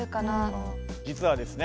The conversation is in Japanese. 実はですね